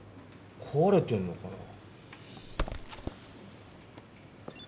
こわれてんのかな？